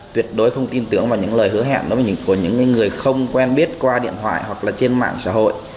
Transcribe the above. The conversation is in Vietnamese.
tuyệt đối không tin tưởng vào những lời hứa hẹn của những người không quen biết qua điện thoại hoặc là trên mạng xã hội